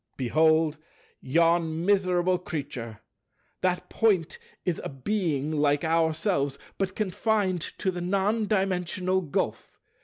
"Behold yon miserable creature. That Point is a Being like ourselves, but confined to the non dimensional Gulf.